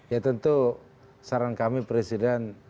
ya tentu saran kami presiden